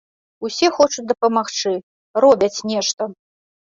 Усе хочуць дапамагчы, робяць нешта.